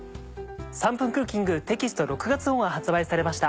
『３分クッキング』テキスト６月号が発売されました。